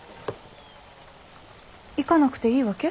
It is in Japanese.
行かなくていいわけ？